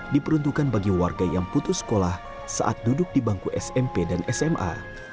diperuntukkan bagi warga yang putus sekolah saat duduk di bangku smp dan sma